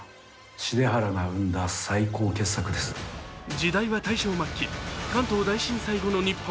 時代は大正末期、関東大震災後の日本。